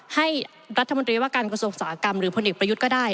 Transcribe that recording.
ให้รัฐมนตรีว่าการกระทรวงอุตสาหกรรมหรือพลเอกประยุทธ์ก็ได้